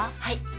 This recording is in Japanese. はい。